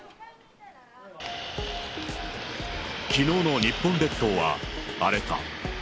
きのうの日本列島は荒れた。